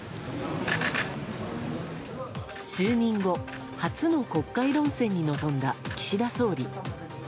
就任後初の国会論戦に臨んだ岸田総理。